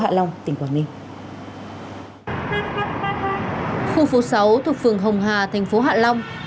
khu phố sáu thuộc phường hồng hà tp hạ long